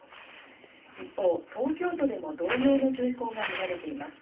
一方、東京都でも同様の傾向がみられています。